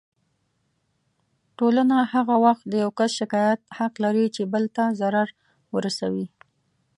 ټولنه هغه وخت د يو کس شکايت حق لري چې بل ته ضرر ورسوي.